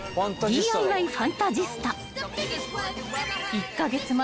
［１カ月前